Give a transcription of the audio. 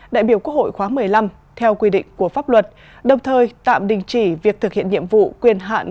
đại biểu quốc hội khóa một mươi năm theo quy định của pháp luật đồng thời tạm đình chỉ việc thực hiện nhiệm vụ quyền hạn